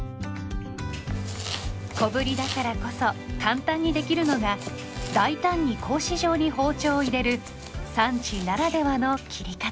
小ぶりだからこそ簡単にできるのが大胆に格子状に包丁を入れる産地ならではの切り方。